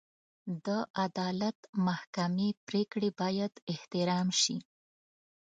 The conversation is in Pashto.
د عدالت محکمې پرېکړې باید احترام شي.